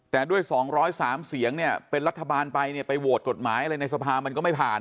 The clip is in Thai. แต่ด้วย๒๐๓เสียงเป็นรัฐบาลอยู่กฎหมายอะไรในสภาพมันก็ไม่ผ่าน